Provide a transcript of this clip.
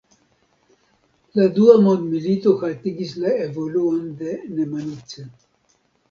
La dua mondmilito haltigis la evoluon de Nemanice.